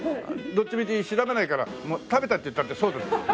どっちみち調べないから「食べた」って言ったって。